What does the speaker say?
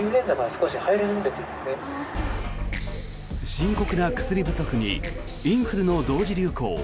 深刻な薬不足にインフルの同時流行。